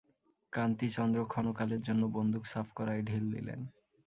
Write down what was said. কান্তিচন্দ্র ক্ষণকালের জন্য বন্দুক সাফ করায় ঢিল দিলেন।